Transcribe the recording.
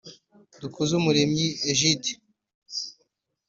Dukuzumuremyi Egide